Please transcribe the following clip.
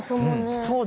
そうだよ。